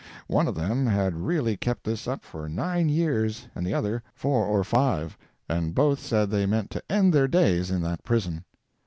One of them had really kept this up for nine years and the other four or five, and both said they meant to end their days in that prison.